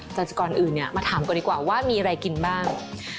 เจ้าจักรอื่นเนี่ยมาถามกันดีกว่าว่ามีอะไรกินบ้าง